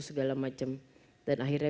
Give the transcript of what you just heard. segala macem dan akhirnya